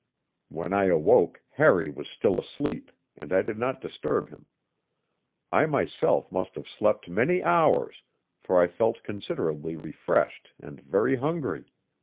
When I awoke Harry was still asleep, and I did not disturb him. I myself must have slept many hours, for I felt considerably refreshed and very hungry.